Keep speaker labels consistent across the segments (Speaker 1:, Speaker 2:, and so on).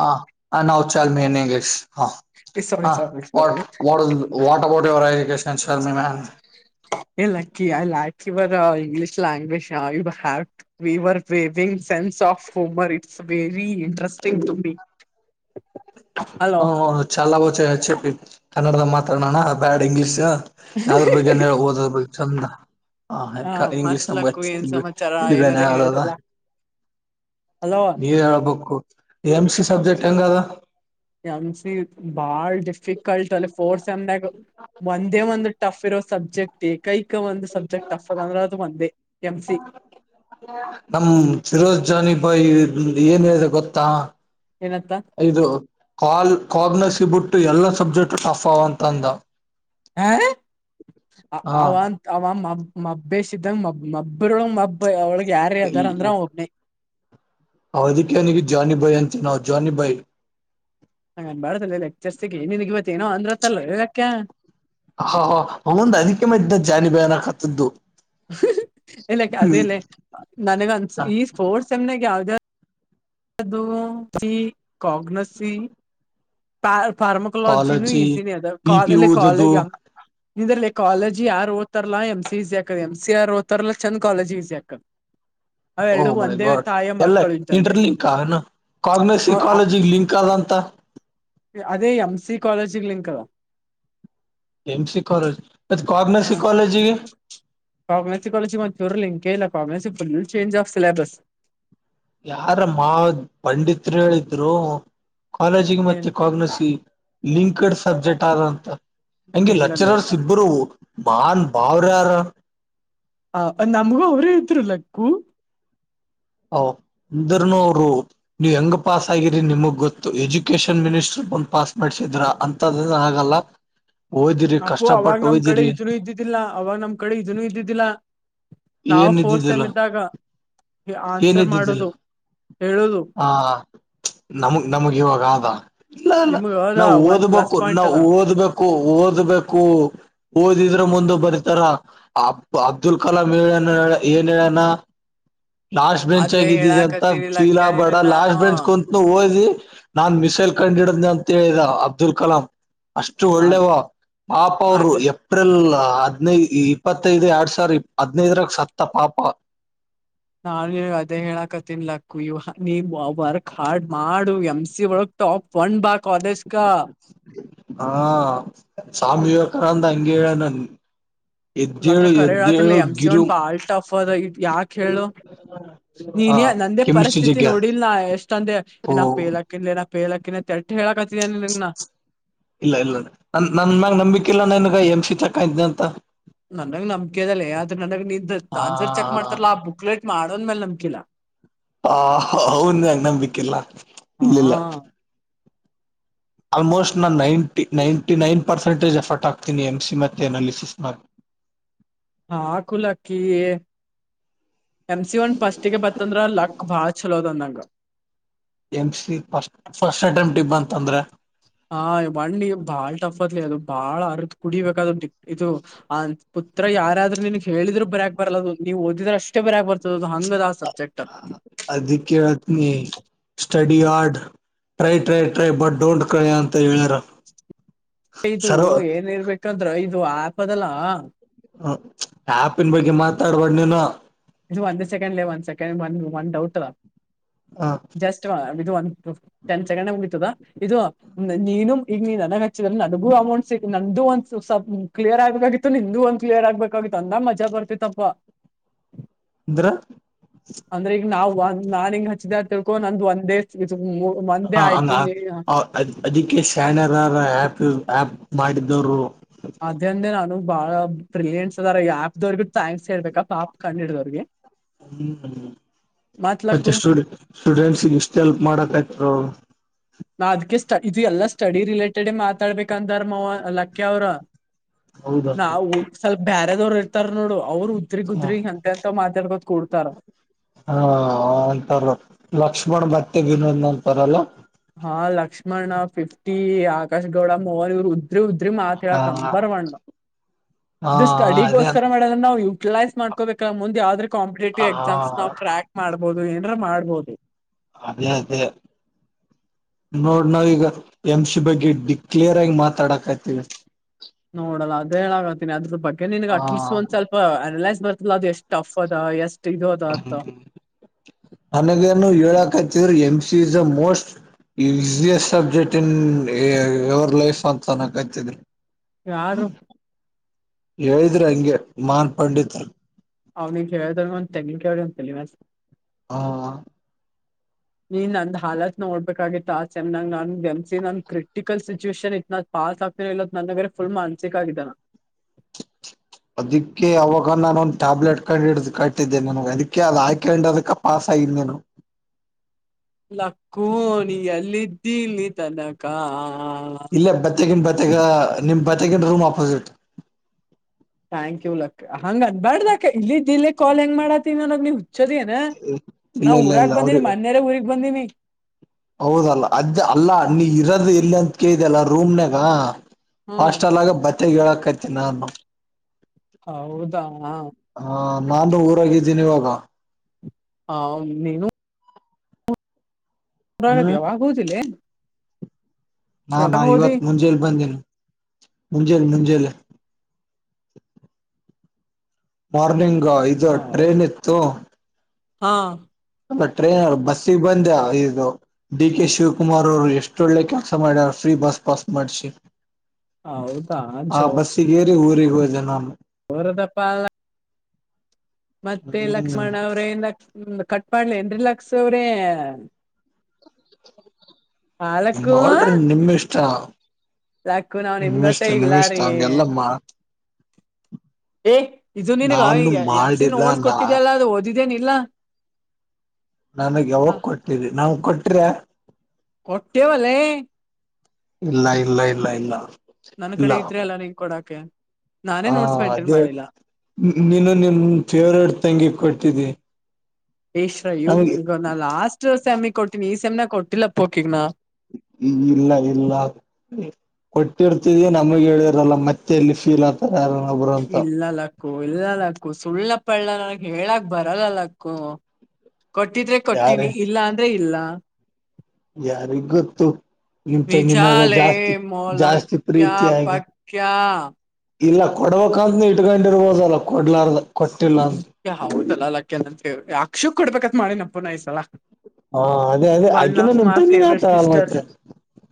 Speaker 1: ಹಾ ಆ [unintelligible] ಹಾ ಹ what what is what about ಹೖ education.
Speaker 2: ಹ a lucky I like your English language show we were weaving sense. Soft homer it's very interest.
Speaker 1: ಹ ಹ ಚಾಲಬಚೆ ಕನ್ನಡಗ್ ಮಾತ. ಮಾತಾಡೋಣ ಬ್ಯಾಡ್ ಇಂಗ್ಲೀಷ್ ಯಾವ್ದ್ರ ಬಗ್ಗೆ ಹೇಳ್ ಓದದ್ರು ಚಂದ.
Speaker 2: ಆ,
Speaker 1: ಹ ಇಂಗ್ಲೀಷ್
Speaker 2: ಮತ್ ಲಕ್ಕು ಏನ್ ಸಮಾಚಾರ ಏನಾರ
Speaker 1: [unintelligible] ಅದಾ
Speaker 2: ಹೇಳ್ರಲ್ಲ ಅಲೋ
Speaker 1: ನೀವ ಹೇಳ್ಬೇಕು. ಎಂ ಸಿ ಸಬ್ಜೆಕ್ಟ್ ಹೆಂಗದ
Speaker 2: [unintelligible] ಬಾಳ್ ಜ ಫಿಕಲ್ಟ್ ಅಲ್ಲಿ ಫೋರ್ಸ್ ಎಂದಾಗೊ ಒಂದೇ ಒಂದು ಟಫ್ ಇರೋ ಸಬ್ಜೆಕ್ಟ್ ಈ ಕೈಕ ಒಂದು ಸಬ್ಜೆಕ್ಟ್ ಟಫ್ ಅದ ಅಂದ್ರೆ ಅದು ಒಂದೇ ಎಂ ಸಿ.
Speaker 1: ನಮ ತಿರೋಜಜಾನಿಬಾಯಿ ಏನ್ ಹೇಳಿದೆ ಗೊತ್ತಾ?
Speaker 2: ಏನತ್ತ
Speaker 1: ಇದು ಕಾಲ್ ಕಾಬನ ಸಿಬುಟ್ಟು ಎಲ್ಲಾ ಸಬ್ಜೆಕ್ಟ್ ಟಫ್ ಅವ ಅಂತಂದ.
Speaker 2: ಹ ಅವ ಆ ಮಬ್ಬೆಶಿತಂಗ್ ಮಬ್ಬರೊಳಗ್ ಮಬ್ಬ ಅವಳಗ್ ಯಾರ್ ಅದಾರ ಅಂದ್ರ ಒಬ್ನಿ.
Speaker 1: ಅವದಿಕೆ ನಿಂಗೆ ಜಾನಿಬೈ ಅಂತ ನಾವು ಜಾನಿಬೈ.
Speaker 2: ಹಾ [unintelligible]
Speaker 1: ಹಾ ಹಾ ಹೌಂದ ಅದಕ್ಕೆ ಮತ್ ಇದ್ದ ಜಾನಿಬಯಾನಕತದ್ದು.
Speaker 2: ಇಲ್ಲ ಅದೇ ಇಲ್ಲ ನನಗ ಒಂದ ಈ ಸ್ಪೋರ್ಟ್ಸ್ ಎಮ್ನೆಾಗ ಯಾವ್ದ ಅದು ಸಿ ಕಗ್ನಸ ಪ ಫಾರ್ಮಕಾಲಜಿನೂ
Speaker 1: ಕಾಲಜಿ
Speaker 2: ಈಜಿನ ಅದ
Speaker 1: ಬಿ ಪಿ
Speaker 2: ಅ
Speaker 1: ಊದದು
Speaker 2: ಕಾಲೇಜ್. ಇದ್ರಲ್ಲಿ ಕಾಲೇಜಿ ಯಾರು ಓದ್ತಾರಲಾ ಎಂ ಸಿ ಈಸಿ ಆಕದ ಎಂ ಸಿ ಯಾರ್ ಓದ್ತಾರಲಾ ಚಂದ್ ಕಾಲೇಜ್ ಈಸಜಿ ಆಕದ.
Speaker 1: ಓ
Speaker 2: ಅವೆರಡು
Speaker 1: ಮೖ
Speaker 2: ಒಂದೇ
Speaker 1: ಗಾಡ್
Speaker 2: ತಾಯ
Speaker 1: ಎಲ್ಲ
Speaker 2: ಮಕ್ಕಳು ಇದ್ದಂಗೆ
Speaker 1: ಇಂಟರ್ಲೀವ್ ಕರಣ್ ಕಾಗ್ನಸಿ
Speaker 2: ಹ್ಮ್, ಅ-
Speaker 1: ಕಾಲಜಿ ಲಿಂಕ್ ಆದಂತ.
Speaker 2: ಅದೇ ಎಮ್ ಸಿ ಕಾಲೇಜಿಗ್ಲಿಿಂ ಕದ
Speaker 1: ಎಮ ಸಿ ಕಾಲೇಜ್ ಮತ್
Speaker 2: ಹ
Speaker 1: ಕಾಗ್ನಸಿ ಕಾಲೇಜಿಗೆ
Speaker 2: ಕಾಗೆಸ ಕಾಲೇಜ ಮತ್ತ ಇವ್ರ ಲಿಂಕ ಚೇಂಜ್ ಆ್ ಸಿೇಬಸ್
Speaker 1: ಯಾರ ಮಾ್ ಪಂಡತ್ರು ಹೇಳಿದ್ರು ಕಾಲೇಜಿಗೆ ಮತ್ತೆ
Speaker 2: ಏನ್
Speaker 1: ಕಾಗನಸಿ ಲಿಂಕ್ಡ್ ಸಬ್ಜೆಕ್ಟ್ ಆದಂತ ಹಗೆ
Speaker 2: ಇಲ್ಲಲೇ ಇಲ್ಲ
Speaker 1: ಲಚ್ಚರರ್ಸ್ ಇಬ್ಬರುೂ ಮಾನ್ ಬಾವರ್ಯಾರ
Speaker 2: ಹ ನಮ್ಗೂ ಅವ್ರೇ ಇದರು ಲಕ್ಕೂ
Speaker 1: ಅಂದ್ರನು ಅವರು ನೀವ್ ಹೆಂಗ ಪಾಸ್ ಆಗಿರಿ ನಿಮಗ್ ಗೊತ್ತು ಎಜುಕೇಶನ್ ಮಿನಿಸ್ಟರ್ ಓನ್ ಪಾಸ್ ಮಾಡಸಿದ್ರ ಅಂತದ ಹಾಗಲ್ಲ
Speaker 2: ಅಪ್ಪು ಅವಾಗ ನಮ್ ಕಡೆ ಇದನು ಇದ್ದಿದ್ದಿಲ್ಲ ಅವಾಗ ನಮ್ ಕಡೆ ಇದನು ಇದ್ದಿದ್ದಿಲ್ಲ ನಾವವು
Speaker 1: ಏನ್
Speaker 2: ಫೋರ್ಸ್
Speaker 1: ಇದಿದ್ದಿಲ್ಲ
Speaker 2: ಎಮ್ ಇದ್ದಾಗ ಆನ್ಸರ್ ಮಾಡುದು
Speaker 1: ಹ ನಮಗ್ ನಮಗ್ ಇವಾಗ ಆದ ಇಲ್ಲ ಇಲ್ಲ
Speaker 2: ನಿಮ್ಗ ಅದ
Speaker 1: ನಾವು ಓದ
Speaker 2: ಒಂದ್ ಪ್ಲಸ್
Speaker 1: ಬೇಕು
Speaker 2: ಪಾಯಿಂಟ್
Speaker 1: ನಾವು
Speaker 2: ಅದ.
Speaker 1: ಓದ್ಬೇಕು ಓದ್ಬೇಕು ಓದಿದ್ರೆ ಮುಂದ ಬರಿತಾರ ಅಬ್ದುಲ್ ಕಲಾಂ ಮ ಏನಾನ ಲಾಸ್ಟ್ ಬೆಂಚ್
Speaker 2: ಅದೇ
Speaker 1: ಆಗ ಇದಿದ ಅಂತ
Speaker 2: ಹೇಳಾಕತ್ತೀನಿ
Speaker 1: ಚೀಲಾ
Speaker 2: ಲಕ್ಯ
Speaker 1: ಬೇಡ
Speaker 2: ನಿನಗ್ ನಾನು
Speaker 1: ಲಾಸ್ಟ್ ಬೆಂಚ್ ಕುಂತನು ಓದಿ ನಾನ್ ಮಿಸೈಲ್ ಕಂಡಿಡ್ದೆ ಅಂತ ಹೇಳಿದ ಅಬ್ದುಲ್ ಕಲಾಂ ಅಷ್ಟು
Speaker 2: ಅದ್
Speaker 1: ಒಳ್ಳೇವ ಪಪ ಅವರು
Speaker 2: ಅದೇ
Speaker 1: ಏಪ್ರಿಲ್ ಹದ್ನೈದು ಇಪ್ಪತ್ತೈದು ಎರಡ್ ಸಾವಿರ ಇ ಹದ್ನೈದರಕ್ ಸತ್ತ ಪಾಪ
Speaker 2: ನಾನು ಅದೇ ಹೇಳಾಕ ತಿನ್ಲಕ್ಕು ಇವ ನೀವು ವರ್ಕ್ ಹಾಡ್ ಮಾಡು ಎಂ್ಸ ಒಳಗ್ ಟಾಪ್ ವನ್ ಬ ಕಾಲಜ ಕಾ
Speaker 1: ಹಾ ಸ್ಾಮಿ ಯವಕರ ಅಂತ ಹಂಗಗೆ ಹೇಳ ನನ್
Speaker 2: ಲಕ್ಕ ಕರೆ ಹೇಳತಿನ್ M C one ball tough ಅದ ಯಾಕ ಹೇಳು
Speaker 1: ಆ
Speaker 2: ನೀನ ನಂದೇ
Speaker 1: ಕೆಮಿಸ್ಟ್ರಿ
Speaker 2: ಪರಿಸ್ಥಿತಿ
Speaker 1: ಜಗ್ಗ್ಯಾರ್
Speaker 2: ನೋಡಿಲ್ ನ ಎಷ್ಟೊಂದೆ
Speaker 1: ಓ
Speaker 2: ಏನಕ್ ಬೇಲಕ ಇಲ್ ಏನ ಪೇಲಕ್ಕಿನ
Speaker 1: ಇಲ್ಲ ಇಲ್ಲ ನ ನನ್ ಮ್ಯಾಗ ನಂಬಿಕೆ ಇಲ್ಲ ನ ಎಮ್ ಸಕ್ಕಾಯ ಇದ್ದ ಅಂತ
Speaker 2: ನನಗ್ ನಂಬಕೆ ಅದಲ್ಲೇ ಆದ್ರೆ ನನಗೆ ನಿಂದ
Speaker 1: ಆ
Speaker 2: ತಾನ್ಸರ್ ಚೆಕ್ ಮಾಡ್ತಾರಲ್ಲ ಆ ಬುಕ್ ಲೇಟ್ ಮಾಡೋದ್ಲೆ ನಂಬ ಕಲ
Speaker 1: ಹಾ ಅವನು ನ ನಂಬಿಿಕಿಲ್ಲ
Speaker 2: ಹಾ
Speaker 1: ಇಲ್ಲಿಿಲ್ಲ ಆಲ್ಮೋಸ್ಟ್ ನಾನು ninety ninety nine percentage effort ಹಾಕ್ತೀನಿ ಎಮ್ ಸಿ ಮತ್ತೆ ಅನಾಲಿಸ್ನಾಗ [inaudible]
Speaker 2: ಹಾಕು ಲಕ್ಕಿ ಎಮ್ ಸಿ ಒನ್ ಫಸ್ಟ್ಗೆ ಬತ್ತಂದ್ರ ಲಕ್ ಭಾ ಹಚ್ಚಲೋದಂದಂಗ
Speaker 1: M C first first attempt ಇಬ ಅಂತಂದ್ರೆ
Speaker 2: ಹ ಬಂಡಿಗೆ ಬಾಳ್ ಟಫ್ ಅದ್ಲಿ ಅದು ಬಾಳ್ ಅರಿದ್ ಕುಡಿಬೇಕದು ಇದು ಆ ಪುತ್ರ ಯಾರಾದ್ರೂ ನಿನ್ಗ್ ಹೇಳಿದರು ಬರಕ್ ಬರಲ್ಲದು ನೀವು ಓದಿದ್ರ ಅಷ್ಟೇ ಬರ್ಯಾಕ್ ಬರ್ತದ ಅದು ಹಂಗದ ಆ ಸಬ್ಜೆಕ್ಟ್
Speaker 1: ಅದಿತ್ ನೀ ಸ್ಟ hard try try try but ೋಂಟ್ ಕನ್
Speaker 2: ಇದು
Speaker 1: ಸರ್ವ
Speaker 2: ಏನಿರ್ಬೇಕಂದ್ರ ಇದು ಆಪದಲ್ಲ
Speaker 1: ಹ ಆ್ಯಪನ್ ಬಗ್ಗೆ ಮಾತಾಡ್ಬಡ್ ನೀನು
Speaker 2: ಇ ಒಂದ್ ಸೆಕಂಡ್ ಲೇ ಒಂದ ಸೆಕೆಂಡ್ ಒಂದ ಒಂದ ಡೌಟ್ ಅಾ ಜಸ್ಟ್ ಇದು ಒಂದು ಟೆನ್ ಸೆಕೆಂಡ್ ಹಿತದಾ ಇದು ನೀನು ಈಗ ನೀ ನನಗ ಹಚ್ಚಿದ ನನಗೂ ಅಮೌಂಟ್ ಸಿ ನ್ದು ಒಂದ ಕ್ಲಿಯರ್ ಆಗ ಗಿತ್ತು ನಿಂದುು ಒಂದ ಕ್ಲಿಯರ್ ಆಗ್ಬೇಕಾಗಿತ್ತು ಅಂದ ಮಜ ಬರ್ತಿತ್ತಪ್ಪ
Speaker 1: [inaudible] ಇದಂದ್ರ
Speaker 2: ಒಂದ ನಾನ್ ಹಿಂಗ ಹಚ್ಚಿದ ತಿಳ್ಕೊಂಡ ನಂದು್ ಒಂದ ೇ
Speaker 1: ಹ ಹಂಗ ಅದಿಕ್ಕೆ ಸ್ಯಾನರರ ಆಪ್ ಆ ಮಾಡಿದ್ದವರು
Speaker 2: ಅಧ್ಯಾನ್ಂದೇ ನ ಅನು ಬಾಳ ಬ್ರಿಲಿಯನ್ಸ್ ಅದಾರ ಆಪ್ ದವ್ರಗ ಥಾಂಸ್ಳ್ಬೇಕ ಆಪ್ ಕಂಡಿಡ್ದಗೆ
Speaker 1: ಹ್ಮ ಮತ್ತೆ
Speaker 2: ಮತ್ಲಕ್ಕು
Speaker 1: ಸ್ಟೂ ಸ್ಟೂಡೆಂಟ್ಸಿಗೆ ಇಷ್ಟು ಹೆಲ್ಪ್ ಮಾಡಕ ಆಯ್ತ
Speaker 2: ನಾ ಅದ್ಕ ಸ್ಟಡಿ ಇದು ಎಲ್ಲಾ ಸ್ಟಡಿ ರಿಲೇಟೆಡ್ ಮಾತಾಡ್ಬೇಕಂತಾರ ಮವ ಲಕ್ಕಿ ಅವ್ರ ನಾವು
Speaker 1: ಹೌದಾ
Speaker 2: ಸ್ವಲ್ಪ ಬ್ಯಾರದವ್ರ ಇರ್ತಾರ ನೋಡು ಅವರು ಉದ್ರಿಗ್ ಉದ್ರಿಗ್ ಅಂತೆ ಅಂತ ಮಾತ್
Speaker 1: ಹಾ ಅಂತಾರ ಲಕ್ಷ್ಮಣ್ ಮತ್ತೆ ವಿನೋದ್ ಅಂತಾರಲ್ಲಾ
Speaker 2: ಹಾ ಲಕ್ಷ್ಮಣ ಫಿಫ್ಟಿ ಆಕಾಶ್ ಗೌಡ ಮವನ್ರು ತ್ ತ್ಮ ಆತಿ
Speaker 1: ಹಾ
Speaker 2: ಆಸಂಬರ್ ಒನ್
Speaker 1: ಹಾ
Speaker 2: ಇದು
Speaker 1: ಅದೇ
Speaker 2: ಸ್ಟಡಿಗೋಸ್ಕರ ಮಾಡ್ರ ನಾವು ಯುಟಿಲೈಸ್ ಮಾಡ್ಕೋಬೇಕಲ್ಲ ಮುಂದೆ ಯಾವ್ದ ಕಾಂಪಿಟೇಟಿವ್
Speaker 1: ಹ
Speaker 2: ಎಕ್ಸಾಮ್ಸ್ ನಾವ್ ಟ್ರಾಕ್ ಮಾಡ್ಬೋದು ಏನರ ಮಾಡ್ಬೋದು
Speaker 1: [unintelligible] ನೋಡ್ ನಾವ ಈಗ ಎಂ ಸಿ ಬಗ್ಗೆ ಡಿಕ್ಲೇರ್ ಆಗಿ ಮಾತಾಡಕ್ಯ್ತಿವಿ
Speaker 2: ನೋಡಲ್ಲ ಅದ ಹೇಳಾಗತಿನನಿ ಅದ್ರ ಬಗ್ಗೆ ನಿನಗ್ ಅಟ್ಲೀಸ್ಟ್
Speaker 1: ಹ
Speaker 2: ಒಂದ ಸ್ವಲ್ಪ ಅನಲೈಸ್ ಬರ್ತ ಅದು ಎಷ್ಟ್ ಟಫ್ ಅದ ಎಷ್ಟ್ ಇದು ಅದ ಅತ್ತ
Speaker 1: ಅನಗೆನು ಹೇಳಾಕ ಹಚ್ಚಿದ್ರ ಎಮ ಸಿ ಇಸ್ ಮೋಸ್ಟ್ ಈ business subject in your life ಅಂತ ಚನ್ನ ಕತ್ತಿದ್ರಿ
Speaker 2: ಯಾರು
Speaker 1: ಹೇಳಿದ್ರ ಹಂಗೆ ಮಾಹನ್ ಪಂಡತರ
Speaker 2: ಅವ ನೀ ಹೇಳ್ ತೆಂಗ ಕೆೇಳ್ರಂತ ಮ್
Speaker 1: ಹಾ
Speaker 2: ನೀ ನಂದ್ ಹಾಲತ್ ನೋಡ್ಬೇಕಾಗಿತ್ತು ಆ ಎಮ್ಂಗಮ್ಸಿ ನ ಕ್ರಿಟಿಕಲ್ ಸಿಚುಯೇಶಷನ್ ಇತ್ ಪಾಸ್ ಇಲ್ಲ ನನ್ನಗರೇ ಫುಲ್ ಮಾನ್ಸಿಕ್ ಆಗಿತನಾ
Speaker 1: [inaudible] ಅದಕ್ಕೆ ಅವಾಗ ನಾನೋಂದ ಟ್ಯಾಬ್ಲೆಟ್ ಕಂಡ್ ಹಿಡ್ದು ಕಟ್ಟಿದ್ದೆನೆ ನನಗೆ ಅದಕ್ಕೆ ಅದು ಹಾಕೊಂಡ್ದ ಪಾಸ್ ದನು
Speaker 2: ಲಕ್ಕೋಣಿ ಎಲ್ಲಿದ್ದಿ ಇಲ್ಲಿ ತನಕಾ
Speaker 1: ಇಲ್ಲ ಬತ್ತಗನ್ ಬತ್ತಗ ನಿಮ್ ಬತೆಗಿನ ರೂಮ್ ಆಪೋಸಿಟ್
Speaker 2: ಥ್ಯಾಂಕ್ ಯು ಲಕ್ಕ ಹಂಗ ಅ ಬಾರ್ದ ಅಕ ಇಲ್ಲಿದ್ದ ಇಲ್ಲೇ ಕಾಲ್ ಹೆಂಗ ಮಾಡತಿನಿ ಚೊದ ನ
Speaker 1: ಇಲ್ಲ
Speaker 2: ನಾವು
Speaker 1: ಇಲ್ಲ
Speaker 2: ಊರಾಗ
Speaker 1: ಇಲ್ಲ
Speaker 2: ಬಂದೀನಿ
Speaker 1: ಅವ್ರಿಗೆ
Speaker 2: ಮೋನ್ಯರ ಊರಿಗೆ ಬಂದೀನಿ
Speaker 1: ಹೌದಲ್ಲ ಅದ್ ಅಲ್ಲ ನೀ ಇರದು ಎಲ್ಲಿ ಅಂತ ಕೇಳ್ದಲ್ಲ ರೂಮ್ನಾಗ
Speaker 2: ಹ್ಮ್
Speaker 1: ಹಾಸ್ಟಲ್ ಆಗ ಬತ್ತೆ ಗೀಳಾಕೈತಿ ನಾನು
Speaker 2: ಹೌದಾ ಹ
Speaker 1: ಹಾ ನಾನು ಊರಾಗಿದ್ದೀನಿ ಇವಾಗ
Speaker 2: ಹ ನೀನು ಪರಾ
Speaker 1: ಹ್ಮ್
Speaker 2: ಯವಾಗ ಹೋದಲ್ಲೆ
Speaker 1: ನಾನಾ ಇವತ್ ಮುಂಜೆಲಿ ಬಂದೇನ ಮುಂಜಾಲೀ ಮುಂಜಾಲೇ ಮಾರ್ನಿಂಗ್ ಇದು ಟ್ರೈನ್ ಇತ್ತು
Speaker 2: ಹಾಂ
Speaker 1: ಟ್ರೈನ್ ಬಸ್ಸಿಗೆ ಬಂದ ಇದು ಡಿ ಕೆ ಶಿವಕುಮಾರ್ ಅವರು ಎಷ್ಟ ಒಳ್ಳೆ ಕೆಲಸ ಮಾಡ್ಯಾರ ಬಸಪಾಸ್ ಮಾಡಿಸಿ ನ್
Speaker 2: ಹೌದ ಆ
Speaker 1: ಊರಿಗೆ ಹೋದ ನ
Speaker 2: ವರದಪ್ಪ [inaudible] ಮತ್ತೆ
Speaker 1: ಹ್ಮ್
Speaker 2: ಲಕ್ಷ್ಮಣ ಅವ್ರೇ ಲ ಕಟ್ ಮಾಡಾಲಿನ್ ರೇ ಲಾಕ್ಸ್ ಅವ್ರೇ ಆ
Speaker 1: ನಿ
Speaker 2: ಲಕ್ಕು
Speaker 1: ಆಡ್ರ ನಿಮ್ ಇಷ್ಟಾ
Speaker 2: ಲಕ್ಕು ನಾವ್
Speaker 1: ನಿಮಿಷ್ಟ
Speaker 2: ನಿಮ್ಗತೆ
Speaker 1: ನಿಮಿಷ್ಟ
Speaker 2: ಇಲ್ಲಾರಿ
Speaker 1: ಅಂಗ ಎಲ್ಲಮ್ಮ
Speaker 2: ಏ ಇದು ನಿನ್ಗ ಈ ಎಂ
Speaker 1: ಮಾಡಿಲ್ಲ
Speaker 2: ಓಡ್ಸ್
Speaker 1: ನಾ
Speaker 2: ಕೊಟ್ಟಿದ್ದಲ್ಲ ಅದ ಇದಿದ್ದೇನ ಇಲ್ಲ
Speaker 1: ನನಗ್ ಯಾವಾಗ
Speaker 2: ಹ
Speaker 1: ಕೊಟ್ಟಿದಿ ನಾವ ಕೊಟ್ರೆ
Speaker 2: ಕೊಟ್ಟೆವಲ
Speaker 1: ಇಲ್ಲ ಇಲ್ಲ ಇಲ್ಲ ಇಲ್ಲ
Speaker 2: ನನ್ ಕಡೆ ಇದ್ರೆ ಅಲ್ಲಾ ನೀನ್ ಕೊಡಕೆ
Speaker 1: ಹಾ ಅದೇ ನೀನು ನಿಮ ಫೇವ್ರೇಟ್ ತಂಗಿ ಕೊಟ್ಟಿದಿ
Speaker 2: ಶ್ರ ಇವಗ ಈಗ ನಾನ್ ಲಾಸ್ಟ್ ಸೆಮಿ ಕೊಟ್ಟೀನಿ ಈ ಸೆಮಿನ ಕೊಟ್ಟಿಲ್ಲಪ್ಪಕಿಗನ
Speaker 1: ಇಲ್ಲ ಇಲ್ಲ ಕೊಟ್ಟಿರ್ತಿದಿ ನಮಗ್ ಹೇಳಿರಲ್ಲ ಮತ್ತೆ ಎಲ್ಲಿ ಫೀಲ್ ಆತಾರ ಯಾರನ್ನೊಬ್ರು ಅಂತ
Speaker 2: ಅಕ್ಕು ಇಲ್ಲ ಅಕ್ಕು ಸುಳ್ಳಪ್ಪಲ್ಲ ನನಗ್ ಹೇಳಕ್ ಬರಲ್ಲ ಲಕ್ಕು ಕೊಟ್ಟಿದ್ರೆ
Speaker 1: ಯಾರ
Speaker 2: ಕೊಟ್ಟೀನಿ ಇಲ್ಲ ಅಂದ್ರೆ ಇಲ್ಲ
Speaker 1: ಯಾರಿಗ್ ಗೊತ್ತು ನಿಮ್ ತಂಗಿ ಮ್ಯಾಗ
Speaker 2: ನಿಜಾಲೇ
Speaker 1: ಜಾಸ್ತಿ ಜಾಸ್ತಿ
Speaker 2: ಮೊಲಕ್ಯ
Speaker 1: ಪ್ರೀತಿಯಾಗಿ
Speaker 2: ಪಕ್ಯ
Speaker 1: ಇಲ್ಲ ಕೊಡ್ಬೇಕಂತ ಇಟ್ಕೊಂಡಿರ್ಬೋದಲ್ಲ ಕೊಡ್ಲಾರ್ದ ಕೊಟ್ಟಿಲ್ಲ ಅಂತ
Speaker 2: ಹೌದಲ್ಲ ಅಲ್ಲ ಕೆಲ್ಲ ಯಕ್ಷುಕ್ ಕೊಡ್ಬೇಕತ್ ಮಾಡಿ ನಪ್ಪುನಾಯಸಲ
Speaker 1: ಹಾ ಅದೇ ಅದೇ ಆ್ಕನ ನಿಮ ತಂಗನ್ ಆತ
Speaker 2: ಫೇವ್ರೇಟ್
Speaker 1: ಅಲ್
Speaker 2: ಸಿಸ್ಟರ್
Speaker 1: ಮತ್ತೆ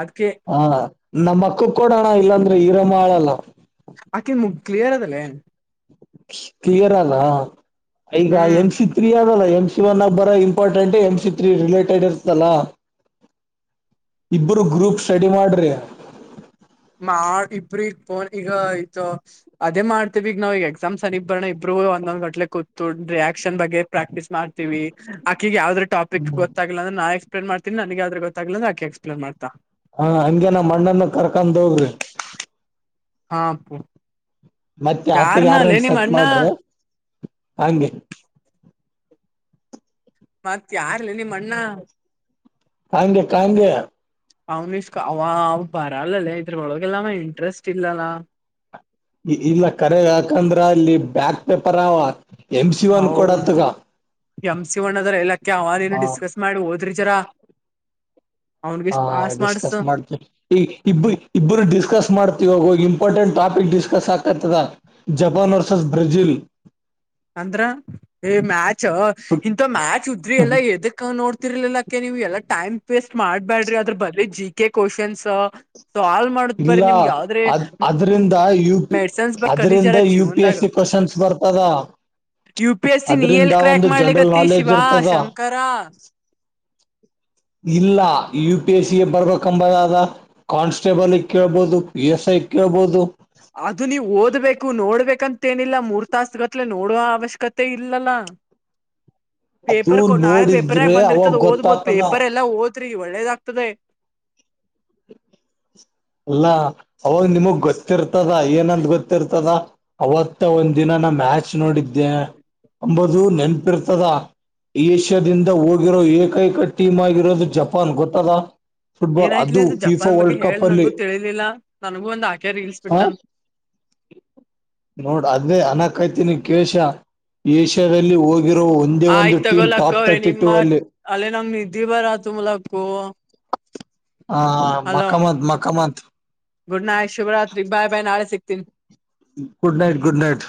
Speaker 2: ಅದ್ಕೆ
Speaker 1: ಹ ನಮ್ಮ ಅಕ್ಕಕ್ ಕೊಡೋಣ ಇಲ್ಲಾಂದ್ರೆ ಈರ ಮಾಳಲ್ಲ
Speaker 2: ಆಕನ್ ಮುಗ ಕ್ಲಿಯರ್ ಅದಲ್ಲೇ
Speaker 1: ಕ್ಲಿಯರ್ ಅಲ್ಲ ಈಗ
Speaker 2: ಹ್ಮ್
Speaker 1: ಎಂ ಸಿ ತ್ರೀ ಅಲ್ಲ ಎ ಎಂ ಸಿ ಒನ್ ಅಬ್ಬರ important M C three related ಇರ್ತಲ್ಲ ಇಬ್ಬರು ಗ್ರೂಪ್ ಸ್ಟಡಿ ಮಾಡ್ರಿ
Speaker 2: ಮಾ ಇಬ್ರಿ ಪೋನ್ ಈಗ ಆಯತ ಅದೇ ಮಾಡ್ತವಿಗ ನಾವ್ ಈಗ ಎಕ್ಸಾಮ್ ಸರಿ ಬರ್ಣ ಇಬ್ರ ಒಂದೊಂದ್ ಗಟ್ಲೆ ಕೂತ್ ರಿಕ್ಷನ್ ಬಗ್ಗೆ ಪ್ರಾಕ್ಟೀಸ್ ಮಾಡ್ತೀವಿ ಆಕಿಗ ಯಾವ್ದ ಟಪಿಕ್ ಗೊತ್ತಾಗ ಅಂದ್ರ ಎಕ್ಸ್ಪ್ಲೈನ್ ಮಾಡತೀನಿನ್ ಆದ್ರ ಗೊತ್ತಿಲ್ಲ ಅ್ರ ಆಕೆಕ್ಸ್ಪ್ಲೇನ್ ಮಾಡತಾ
Speaker 1: ಹಾ ಹಗೆ ನ ಮಣ್ಣನ್ನು ಕರ್ಕೊಂಡವ್ರಿ
Speaker 2: ಹಾಪ್ಪ
Speaker 1: ಮತ್ತೆ ಹತ್ತಗ ಯಾರಂ ಸೆಟ್ ಮಾಡ್ರಿ ಹಂಗೆ
Speaker 2: ಮತ್ ಯಾರಲ್ಲ ನಿಮ್ಮ ಅಣ್ಣ
Speaker 1: ಕಗೆ ಕಾಗೆ
Speaker 2: ಅವನಶ್ಕ ಅವ ಅವ ಬರಲ್ಲಲ್ಲ ಇದ್ರೊಳಗೆಲ್ಲಮ್ಮ ಇಂಟ್ರೆಸ್ಟ್ ಇಲ್ಲಲ್ಲ
Speaker 1: ಇಲ್ಲ ಕರೆ ಯಾಕಂದ್ರ ಅಲ್ಲಿ ಬ್ಯಾಕ್ ಪೇಪರ್ ಅವವ ಎಂ ಸಿ ಒನ್ ಕೂಡ ಅತಗ
Speaker 2: ಹೌದು ಎಂ ಸಿ ಒಣ್ಣದ್ರ ಎಲ್ಲಾಕ್ಕೆ ಅವ್ ಏನು ಡಿಸ್ಕಸ್ ಮಾಡಿ ೋದ್ರಿ ಜರಾ
Speaker 1: ಹಾ ಡಿಸ್ಕಸ್ ಮಾಡ್ತವಿ ಈ ಇಬ್ಬ ಇಬ್ಬರು ಡಿಸ್ಕಸ್ ಮಾಡ್ತಿವಿೋಗೋಗಿ ಇಂಪಾರ್ಟೆಂಟ್ ಟಾಪಿಕ್ ಡಿಸ್ಕಸ್ ಆಗ್ತಾತದ ಜಪಾನ್ ವರ್ಸಸ್ ಬ್ರೆಜಿಲ್
Speaker 2: ಅಂದ್ರ ಏ ಮ್ಯಾಚ್ ಇಂತ ಮ್ಯಾಚ್ ಉದ್ರಿ ಎಲ್ಲಾ ಎದಕ್ಕ ನೋಡ್ತ ಗತಿರ್ಲಿಲ್ಲಾಕ ನೀವು್ ಎಲ್ಲ ಟೈಮ್ ವೇಸ್ಟ್ ಮಾಡ್ಬ್ಯಾಡ್ರಿ ಅದ್ರ ಬರ್ರಿ ಜಿ ಕೆ ಕ್ವಶನ್ಸ್ ಸಾಲ್ವ್ ಮಾಡತ್
Speaker 1: ಇಲ್ಲ
Speaker 2: ಬರೀ ನಿಮ್ಗೆ ಯಾವ್ದ್ರೆ
Speaker 1: ಅದ್ ಅದ್ರಿಂದ
Speaker 2: ಮೆಡ್ಸನ್ಸ್ ಬ ಕಲಿಜಾರ
Speaker 1: ಅದರಿಂದ ಯು ಪಿ
Speaker 2: ಜೀವನ್ದಾಗ
Speaker 1: ಎಸ್ ಸಿ ಕ್ವಶನ್ಸ್ ಬರ್ತದ
Speaker 2: ಯು ಪಿ ಎಸ್ ಸಿ ನೀ
Speaker 1: ಅದರಿಂದ
Speaker 2: ಎಲ್ ಕ್ರ್ಯಾಕ್
Speaker 1: ಒಂದು ಜನರಲ್
Speaker 2: ಮಾಡ್ಲಿಕತ್ತಿ
Speaker 1: ನಾಲೆಜ್
Speaker 2: ಶಿವಾ
Speaker 1: ಇರ್ತದ
Speaker 2: ಶಂಕರ
Speaker 1: ಇಲ್ಲ ಯು ಪಿ ಎಸ್ ಸಿಗೆ ಬರ್ಬೇಕಂಬುದಾದ ಕಾನ್ಸ್ಟೇಬಲ್ಗೆ ಕೇಳ್ಬಹುದು ಎಸ್ ಐ ಸಿಕ್ಕಬಹದುುದು
Speaker 2: ಅದು ನೀವು ಓದ್ಬೇಕು ನೋಡ್ಬೇಕಂತ ಮತ್ತೇನಿಲ್ಲ ಮೂರ್ ತಾಸಗತ್ಲೆ ನೋಡುವ ಅವಶ್ಯಕತೆ ಇಲ್ಲಲ್ಲ
Speaker 1: ಅದು
Speaker 2: ಪೇಪರ್ ಕೊ ನಾವಳೇ ಪೇಪರ್ನ
Speaker 1: ನೋಡಿದ್ರೆ ಅವಾಗ
Speaker 2: ಬಂದಿರ್ತದ ಓದ್ಬಹದ್
Speaker 1: ಗೊತ್ತಾಗ್ತದ
Speaker 2: ಪೇಪರ್ ಎಲ್ಲಾ ಓದ್ರಿ ಒಳ್ಳೇದಾಗ್ತದೆ
Speaker 1: ಅಲ್ಲ ಅವಾಗ ನಿಮಗ್ ಗೊತ್ತಿರ್ತದ ಏನಂದ ಗೊತ್ತಿರ್ತದ ಅವತ್ತ ಒಂದ ದಿನ ನಮ ಮ್ಯಾಚ್ ನೋಡಿದ್ದೆ ಅಂಬುದು ನೆನಪಿರ್ತದ ಏಷ್ಯಾದಿಂದ ಹೋಗಿರೋ ಏಕೈಕ ಟೀಮ್ ಆಗಿರೋದು ಜಪಾನ್ ಗೊತ್ತಲ್ಲ
Speaker 2: ಏನಾಯ್ತಿಲಿ ಅ್ರ ಜ ಅಪ್ಪನ್ ಬಗ್ಗೆ ಹೇಳ
Speaker 1: ಅಲ್ಲಿ
Speaker 2: ನಂಗೂ ತಿಳಿಲಿಲ್ಲಾ ನನ್ಗೂ ಒಂದ್ ಆಕೆ ರೀಲ್ಸ್ ಬಿಟ್ಟನ್.
Speaker 1: ನೋಡ ಅದೇ ಅನಕ್ಕತಿನಿ ಕೇಶ್ಕ ಏಷ್ಯಾದಲ್ಲಿ ಹೋಗಿ.
Speaker 2: ಆಯ್ತ್ ತಗೊಲಕ್ಕೊರೆ
Speaker 1: ಟೂ
Speaker 2: ನಿಮ್ಮ
Speaker 1: ಅಲ್ಲಿ
Speaker 2: ಅಲ್ಲೇ ನಮ್ ನಿದ್ರಿ ಬರತು ಮೂಲಕ್ಕು.
Speaker 1: ಆ
Speaker 2: ಹಲೋ
Speaker 1: ಮಕಮಂತ್ ಮಕಮಂತ್
Speaker 2: ಗುಡ್ ನೈಟ್ ಶುಭ ರಾತ್ರಿ ಬಾಯ್ ಬಾಯ್ ನಾಳೆ ಸಿ [unintelligible] ತಿನ್
Speaker 1: ಗುಡ್ ನೈಟ್ ಗುಡ್ ನೈಟ್.